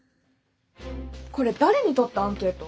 これ誰にとったアンケート？